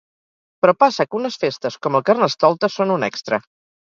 Però passa que unes festes com el carnestoltes són un extra.